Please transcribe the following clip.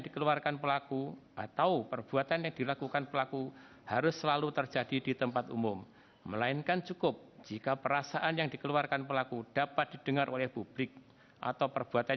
kepulauan seribu itu menjadi kepulauan auxiliat